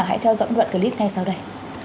hãy theo dõi một đoạn clip ngay sau đây